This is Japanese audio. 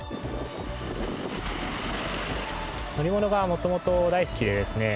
乗り物が元々大好きでですね